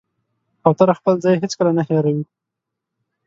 کوتره خپل ځای هېڅکله نه هېروي.